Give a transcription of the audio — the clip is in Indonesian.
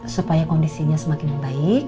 supaya kondisinya semakin baik